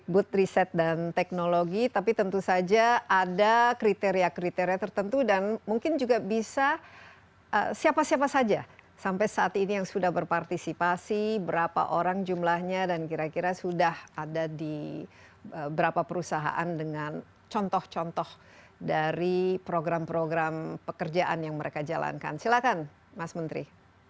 but riset dan teknologi tapi tentu saja ada kriteria kriteria tertentu dan mungkin juga bisa siapa siapa saja sampai saat ini yang sudah berpartisipasi berapa orang jumlahnya dan kira kira sudah ada di beberapa perusahaan dengan contoh contoh dari program program pekerjaan yang mereka jalankan silakan mas menteri